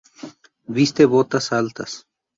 Viste botas altas.